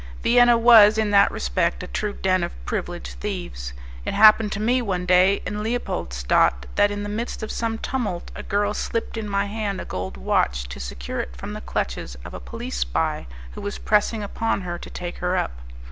Vienna was, in that respect a true den of privileged thieves. It happened to me one day in Leopoldstadt that in the midst of some tumult a girl slipped in my hand a gold watch to secure it from the clutches of a police spy who was pressing upon her to take her up.